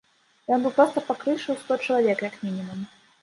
Ён бы проста пакрышыў сто чалавек, як мінімум.